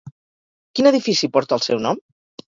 Quin edifici porta el seu nom?